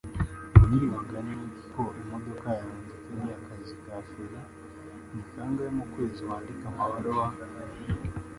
Nabwirwa n'iki ko imodoka yanjye ikeneye akazi ka feri? Ni kangahe mu kwezi wandika amabaruwa?